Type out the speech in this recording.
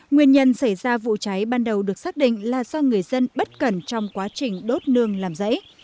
nguyên nhân xảy ra vụ cháy ban đầu được xác định là do người dân bất cẩn trong quá trình đốt nương làm rẫy